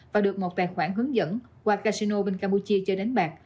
và được một tài khoản hướng dẫn qua casino bên campuchia chơi đánh bạc